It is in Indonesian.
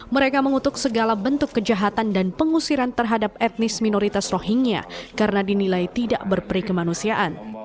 mereka mengutuk segala bentuk kejahatan dan pengusiran terhadap etnis minoritas rohingya karena dinilai tidak berperi kemanusiaan